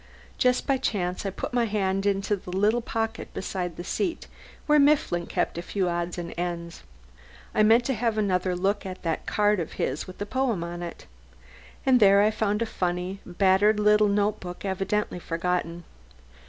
Just by chance I put my hand into the little pocket beside the seat where Mifflin kept a few odds and ends. I meant to have another look at that card of his with the poem on it. And there I found a funny, battered little notebook, evidently forgotten.